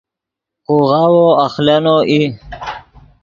خوغاوو اخلینو ای